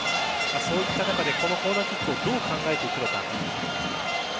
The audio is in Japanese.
そういった中でこのコーナーキックをどう考えていくのか。